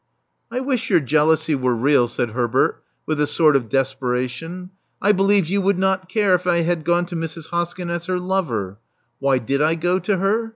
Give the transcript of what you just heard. I wish your jealousy were real," said Herbert, with a sort of desperation. I believe you would not care if I had gone to Mrs. Hoskyn as her lover. Why did I go to her?